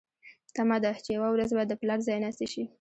تمه ده چې یوه ورځ به د پلار ځایناستې شي.